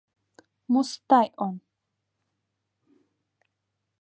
Мустай он!